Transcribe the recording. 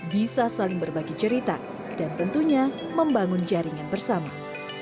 bisa saling berbagi cerita dan tentunya membangun jaringan bersama